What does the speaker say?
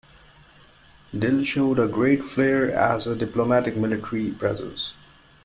Dill showed a great flair as a diplomatic military presence.